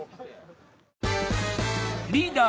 リーダー